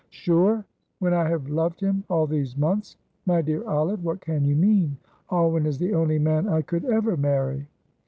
"Sure! when I have loved him all these months. My dear Olive, what can you mean? Alwyn is the only man I could ever marry."